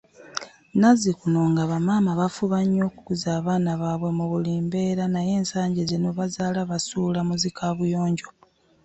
Nazikunno ng aba maama bafuba nnyo okukuza abaana babwe mu buli mbeera naye ensangi zino bazaala basuula mu zi kabuyonjo.